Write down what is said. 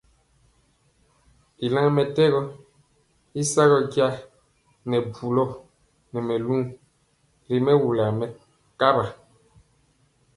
Bilaŋ mɛtɛgɔ i saa ja nɛ mɛlu ri mɛwul mɛkaɓa.